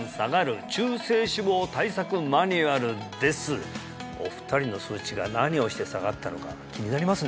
今朝のテーマはお二人の数値が何をして下がったのか気になりますね